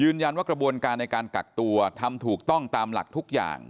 ว่ากระบวนการในการกักตัวทำถูกต้องตามหลักทุกอย่าง